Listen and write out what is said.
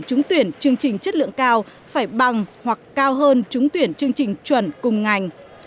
trung tuyển chương trình chất lượng cao phải bằng hoặc cao hơn trung tuyển chương trình chuẩn cùng ngành